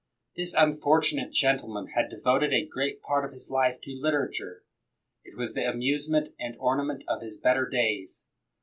This unfortunate gentleman had devoted a great part of his life to literature. It was the amusement and ornament of his better days.